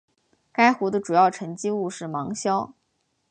该湖的主要沉积物是芒硝。